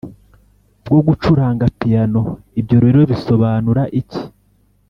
bwo gucuranga piyano Ibyo rero bisobanura iki